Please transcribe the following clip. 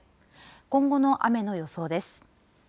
今後の雨の予想です。